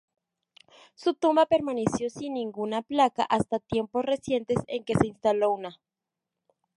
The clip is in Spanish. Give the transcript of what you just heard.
Su tumba permaneció sin ninguna placa hasta tiempos recientes en que se instaló una.